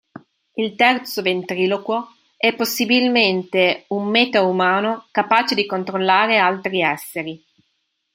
Il terzo ventriloquo è, possibilmente, un metaumano capace di controllare altri esseri.